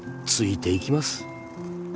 ついていきます